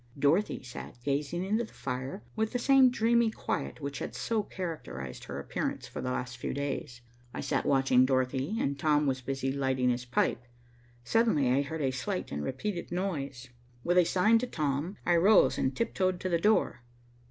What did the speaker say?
Dorothy sat gazing into the fire with that same dreamy quiet which had so characterized her appearance for the last few days. I sat watching Dorothy, and Tom was busy lighting his pipe. Suddenly I heard a slight and repeated noise. With a sign to Tom, I rose and tiptoed to the door.